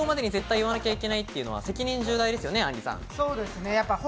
放送終了までに絶対言わなきゃいけないというのは、責任重大ですよね、あんりさん。